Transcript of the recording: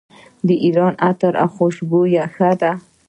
د ایران عطر او خوشبویي ښه ده.